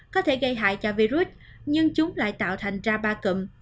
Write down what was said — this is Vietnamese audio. có thể gây hại cho virus nhưng chúng lại tạo thành ra ba cầm